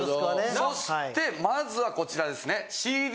そしてまずはこちらですね。